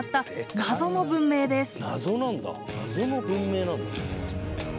謎の文明なんだね。